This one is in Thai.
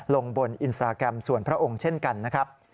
ลงบนอินสตราแกรมส่วนพระองค์เช่นกันนะครับ